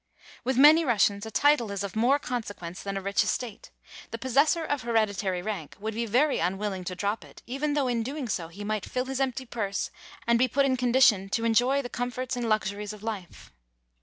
With many Russians a title is of more consequence than a rich estate ; the pos sessor of hereditary rank would be very unwilling to drop it, even though in doing so he might fill his empty purse and be put in condition to enjoy the comforts and luxuries of life.